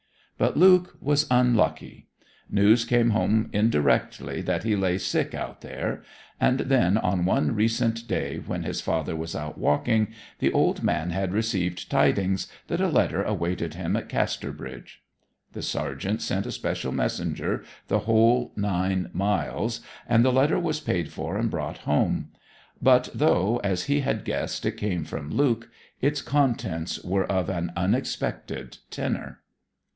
But Luke was unlucky. News came home indirectly that he lay sick out there; and then on one recent day when his father was out walking, the old man had received tidings that a letter awaited him at Casterbridge. The sergeant sent a special messenger the whole nine miles, and the letter was paid for and brought home; but though, as he had guessed, it came from Luke, its contents were of an unexpected tenor.